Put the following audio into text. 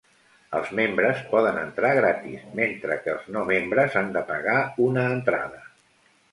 Els membres poden entrar gratis, mentre que els no membres han de pagar una entrada.